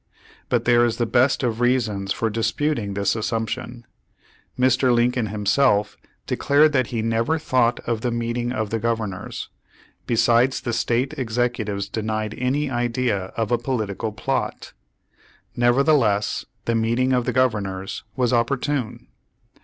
But there is the best of reasons for dis puting this assumption. Mr. Lincoln himself declared that he never thought of the meeting of the governors. Besides the state executives denied any idea of a ''political plot." Neverthe less the meeting of the governors was opportune.